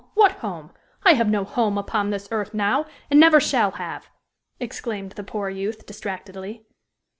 What home? I have no home upon this earth now, and never shall have!" exclaimed the poor youth, distractedly.